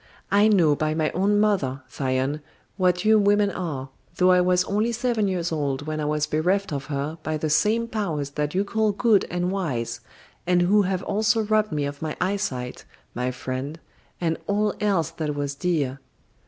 I know by my own mother, Thyone, what you women are, though I was only seven years old when I was bereft of her by the same powers that you call good and wise, and who have also robbed me of my eyesight, my friend, and all else that was dear.